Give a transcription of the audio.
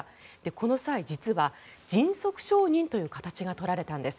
この際、実は迅速承認という形が取られたんです。